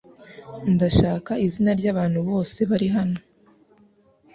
Ndashaka izina ryabantu bose bari hano